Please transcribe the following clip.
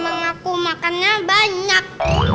emang aku makannya banyak